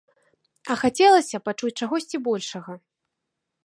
А хацелася пачуць чагосьці большага.